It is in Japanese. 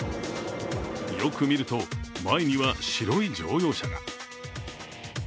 よく見ると、前には白い乗用車が。